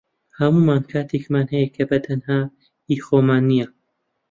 هەموومان کاتێکمان هەیە کە بەتەنها هی خۆمان نییە